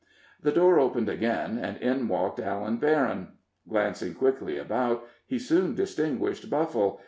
The door opened again, and in walked Allan Berryn. Glancing quickly about, he soon distinguished Buffle.